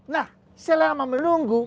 nah selama menunggu